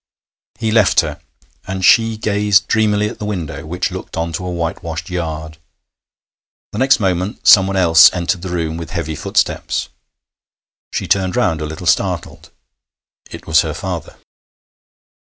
He left her, and she gazed dreamily at the window, which looked on to a whitewashed yard. The next moment someone else entered the room with heavy footsteps. She turned round a little startled. It was her father.